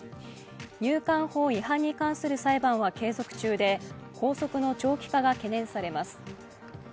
入管法違反に関する裁判は継続中で拘束の長期化が懸念されます。